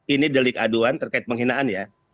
ini delik aduan terkait penghinaan ya